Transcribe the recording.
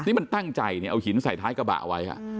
นี่มันตั้งใจเอาหินใส่ท้ายกระบะไว้ค่ะ